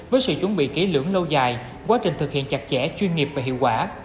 với sự chuẩn bị kỹ lưỡng lâu dài quá trình thực hiện chặt chẽ chuyên nghiệp và hiệu quả